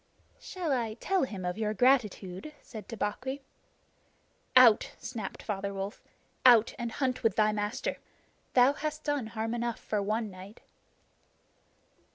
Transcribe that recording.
"Shall I tell him of your gratitude?" said Tabaqui. "Out!" snapped Father Wolf. "Out and hunt with thy master. Thou hast done harm enough for one night."